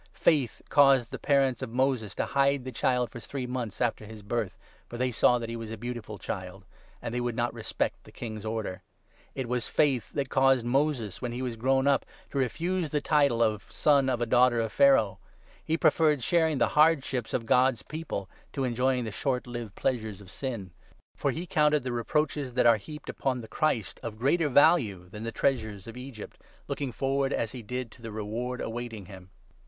Faith caused the parents of Moses to hide 23 the child for three months after his birth, for they saw that he was a beautiful child ; and they would not respect the King's order. It was faith that caused Moses, when he was 24 grown up, to refuse the title of ' Son of a Daughter of Pharaoh.' He preferred sharing the hardships of God's People 25 to enjoying the short lived pleasures of sin. For he counted 26 ' the reproaches that are heaped upon the Christ ' of greater value than the treasures of Egypt, looking forward, as he did, to the reward awaiting him.